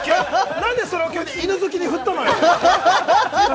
なんでそれを犬好きに振ったのよ。